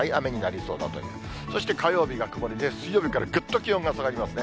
そして火曜日が曇りで、水曜日からぐっと気温が下がりますね。